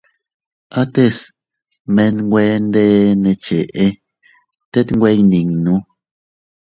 Ates menwe nde ne cheʼe tet nwe iyninnu.